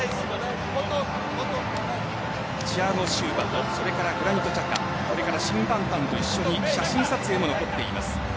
チアゴ・シウバとそれからグラニト・ジャカ審判団と一緒に写真撮影も残っています。